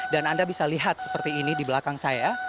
dan anda bisa lihat seperti ini di belakang saya